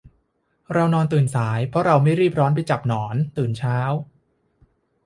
เรานอนตื่นสาย เพราะเราไม่ต้องรีบไปจับหนอนตื่นเช้า